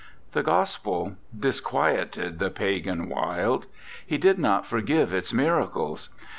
The Gospel disquieted the pagan Wilde. He did not forgive its miracles.